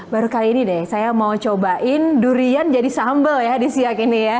baru kali ini deh saya mau cobain durian jadi sambal ya di siak ini ya